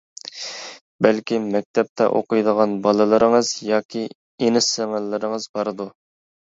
بەلكىم مەكتەپتە ئوقۇيدىغان بالىلىرىڭىز ياكى ئىنى-سىڭىللىرىڭىز باردۇ.